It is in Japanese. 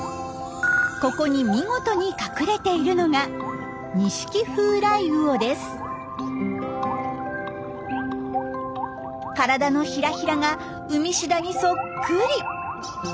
ここに見事に隠れているのが体のヒラヒラがウミシダにそっくり。